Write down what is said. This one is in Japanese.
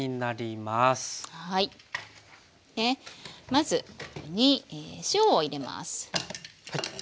まずここに塩を入れます。